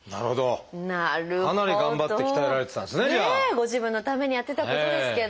ご自分のためにやってたことですけど。